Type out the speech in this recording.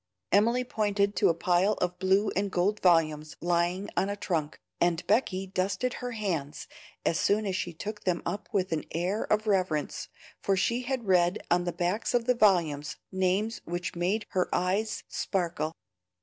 Emily pointed to a pile of blue and gold volumes lying on a trunk, and Becky dusted her hands as she took them up with an air of reverence, for she read on the backs of the volumes names which made her eyes sparkle.